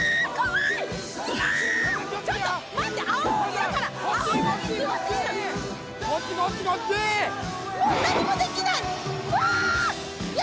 いや！！